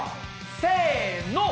せの！